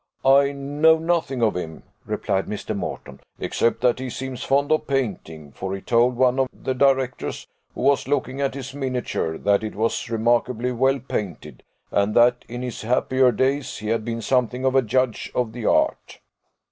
"I know nothing of him," replied Mr. Moreton, "except that he seems fond of painting; for he told one of the directors, who was looking at his miniature, that it was remarkably well painted, and that, in his happier days, he had been something of a judge of the art."